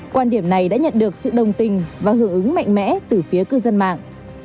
quan điểm này đã nhận được sự đồng tình và hưởng ứng mạnh mẽ từ phía cư dân mạng